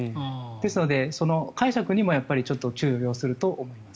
ですので、解釈にも注意を要すると思います。